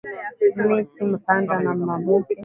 Mita panda na maboke mu mashamba yangu